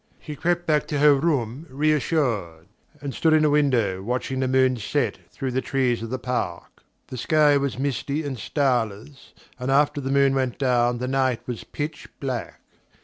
She crept back to her room reassured, and stood in the window watching the moon set through the trees of the park. The sky was misty and starless, and after the moon went down the night was pitch black.